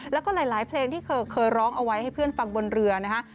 แล้วก็หลายเพลงที่เธอเคยร้องเอาไว้ให้เพื่อนฟังบนเรือนะฮะ